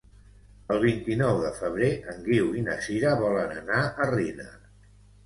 El vint-i-nou de febrer en Guiu i na Sira volen anar a Riner.